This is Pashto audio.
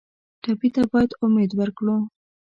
ټپي ته باید امید ورکړو.